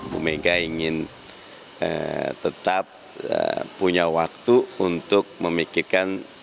pemegang ingin tetap punya waktu untuk memikirkan posisi